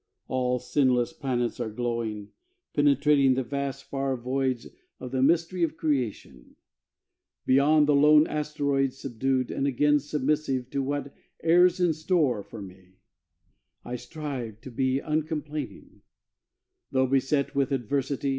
All sinless the planets are glowing, Penetrating the vast, far voids Of the mystery of creation Beyond the lone asteroids. Subdued, and again submissive To whatever's in store for me, I strive to be uncomplaining, Though beset with adversity.